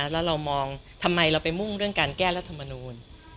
แล้วเรามองทำไมเราไปมุ่งเรื่องการแก้รัฐมนูล